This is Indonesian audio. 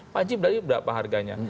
panci berarti berapa harganya